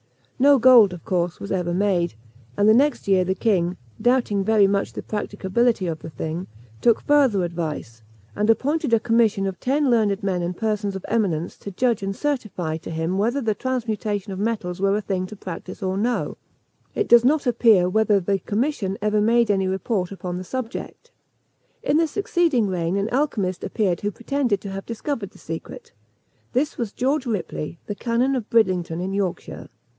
No gold, of course, was ever made; and next year the king, doubting very much of the practicability of the thing, took further advice, and appointed a commission of ten learned men and persons of eminence to judge and certify to him whether the transmutation of metals were a thing practicable or no. It does not appear whether the commission ever made any report upon the subject. In the succeeding reign an alchymist appeared who pretended to have discovered the secret. This was George Ripley, the canon of Bridlington, in Yorkshire.